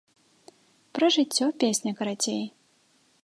Пра жыццё песня, карацей!